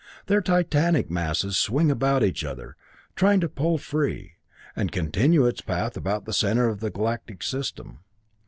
Their titanic masses swing about each other, each trying to pull free, and continue its path about the center of the galactic system.